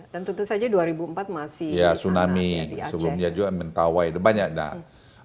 dan tentu saja dua ribu empat masih tsunami sebelumnya juga mentawai banyak dah